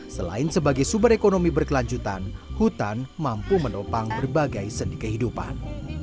selain sebagai sumber ekonomi berkelanjutan hutan mampu menopang berbagai sendi kehidupan